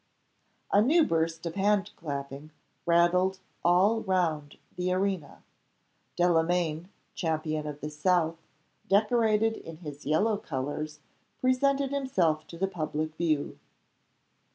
A new burst of hand clapping rattled all round the arena. Delamayn, champion of the South, decorated in his yellow colors, presented himself to the public view.